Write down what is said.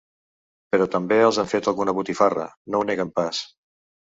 Però també els han fet alguna botifarra, no ho neguen pas.